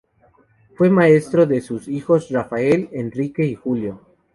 Fue maestro de arte de sus hijos Rafael, Enrique y Julio.